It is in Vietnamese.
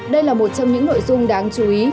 đây là một trong những nội dung đáng chú ý